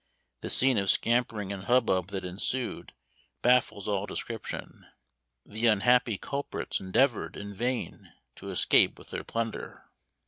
The scene of scampering and hubbub that ensued baffles all description. The unhappy culprits endeavored in vain to escape with their plunder.